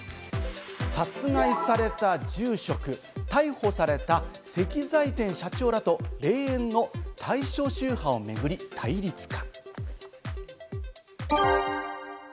殺害された住職、逮捕された石材店社長らと霊園の対象宗派を巡り対立か。